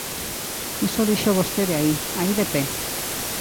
Iso dixo vostede aí, aí de pé.